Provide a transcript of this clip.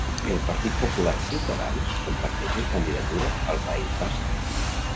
El Partit Popular i Ciutadans comparteixen candidatura al País Basc.